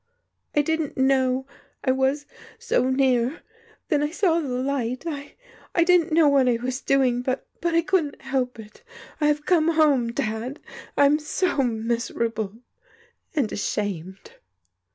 "I didn't know — ^I was — so near! Then I saw the light! I — I didn't know what I was doing! But — but I couldn't help it! I have come home. Dad! — ^I'm so miserable and — ashamed